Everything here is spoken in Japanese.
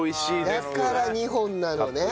だから２本なのね。